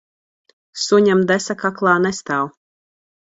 Suņam desa kaklā nestāv.